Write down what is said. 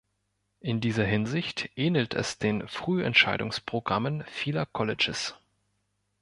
In dieser Hinsicht ähnelt es den Frühentscheidungsprogrammen vieler Colleges.